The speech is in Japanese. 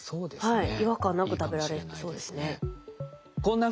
はい。